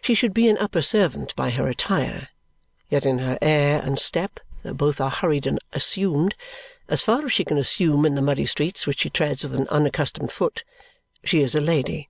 She should be an upper servant by her attire, yet in her air and step, though both are hurried and assumed as far as she can assume in the muddy streets, which she treads with an unaccustomed foot she is a lady.